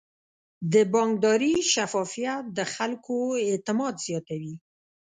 د بانکداري شفافیت د خلکو اعتماد زیاتوي.